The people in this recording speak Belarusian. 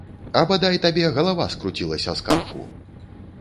А бадай табе галава скруцілася з карку!